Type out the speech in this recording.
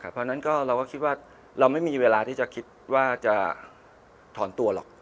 เพราะฉะนั้นเราก็คิดว่าเราไม่มีเวลาที่จะคิดว่าจะถอนตัวหรอก